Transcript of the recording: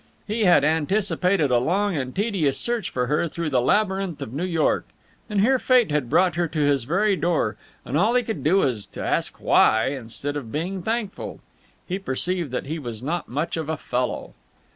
He had anticipated a long and tedious search for her through the labyrinth of New York, and here Fate had brought her to his very door, and all he could do was to ask why, instead of being thankful. He perceived that he was not much of a fellow.